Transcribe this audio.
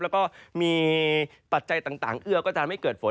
แล้วก็มีปัจจัยต่างเอื้อก็จะทำให้เกิดฝน